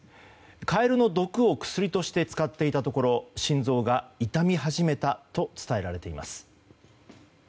カエルの毒を薬として使っていたところ心臓が痛み始めたと伝えられています。